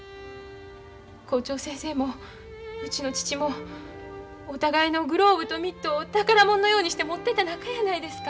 校長先生もうちの父もお互いのグローブとミットを宝もんのようにして持ってた仲やないですか。